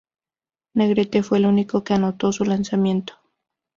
Negrete fue el único que anotó su lanzamiento.